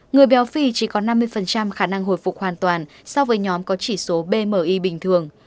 người béo phì chỉ có năm mươi khả năng hồi phục hoàn toàn so với nhóm có chỉ số bmi bình thường